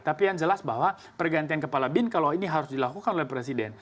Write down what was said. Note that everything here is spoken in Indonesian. tapi yang jelas bahwa pergantian kepala bin kalau ini harus dilakukan oleh presiden